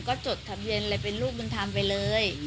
ก็จดทะเบียนอะไรเป็นลูกบุญธรรมไปเลย